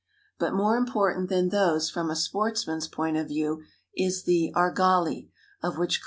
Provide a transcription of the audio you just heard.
But more important than these from a sportsman's point of view is the argali, of which Col.